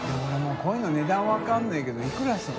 こういうの値段分からないけどいくらする？